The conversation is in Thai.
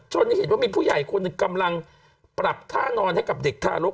เห็นว่ามีผู้ใหญ่คนหนึ่งกำลังปรับท่านอนให้กับเด็กทารก